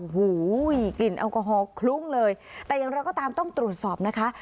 โอ้โหกลิ่นแอลกอฮอลคลุ้งเลยแต่อย่างเราก็ตามต้องตรวจสอบนะคะ